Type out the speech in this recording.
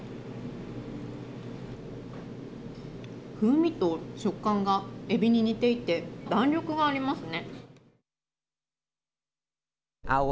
風味と食感がえびに似ていて弾力がありますね。